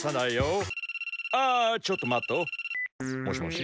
もしもし。